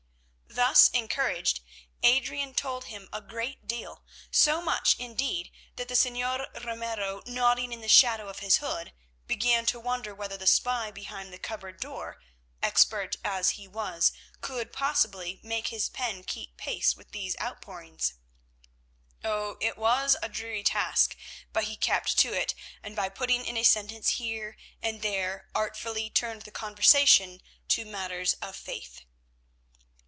Thus encouraged, Adrian told him a great deal, so much, indeed, that the Señor Ramiro, nodding in the shadow of his hood, began to wonder whether the spy behind the cupboard door, expert as he was, could possibly make his pen keep pace with these outpourings. Oh! it was a dreary task, but he kept to it, and by putting in a sentence here and there artfully turned the conversation to matters of faith.